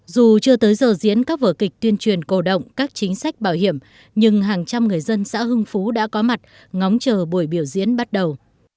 dù chưa tới giờ diễn các vở kịch tuyên truyền cổ động các chính sách bảo hiểm nhưng hàng trăm người dân xã hưng phú đã có mặt ngóng chờ buổi biểu diễn bắt đầu